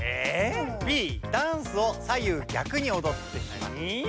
Ｂダンスを左右逆におどってしまった。